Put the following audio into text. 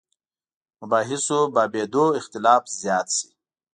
مباحثو بابېدو اختلاف زیات شي.